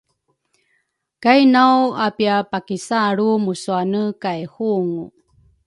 kai nawapiapakisalru musuane kay hungu.